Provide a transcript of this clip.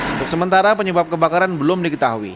untuk sementara penyebab kebakaran belum diketahui